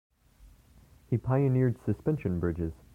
He pioneered suspension bridges.